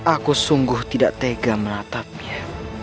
aku sungguh tidak tega menatapnya